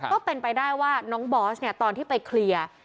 ก็เป็นไปได้ว่าน้องบอสเนี่ยตอนที่ไปเคลียร์